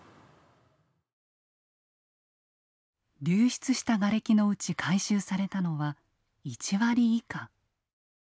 流出したガレキのうち回収されたのは１割以下。